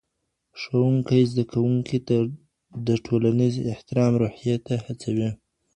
ښوونکی زدهکوونکي د ټولنیز احترام روحیې ته هڅوي.